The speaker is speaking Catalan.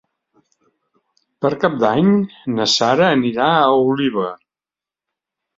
Per Cap d'Any na Sara anirà a Oliva.